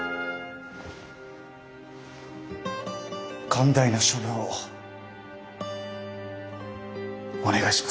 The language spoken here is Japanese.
寛大な処分をお願いします。